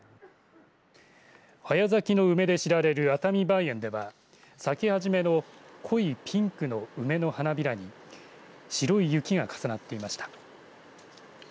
早咲きの梅で知られる熱海梅園では咲き始めの濃いピンクの梅の花びらに白い雪が重なっていました。